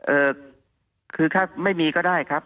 เอ่อคือถ้าไม่มีก็ได้ครับ